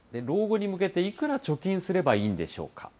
老後に向けていくら貯金すればいいんでしょうか。